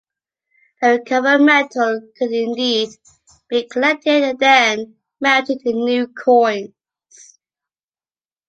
The recovered metal could indeed be collected and then melted in new coins.